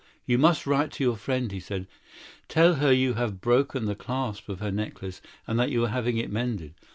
"You must write to your friend," said he, "that you have broken the clasp of her necklace and that you are having it mended.